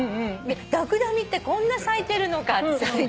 ドクダミってこんな咲いてるのかって思って。